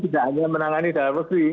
tidak hanya menangani dalam negeri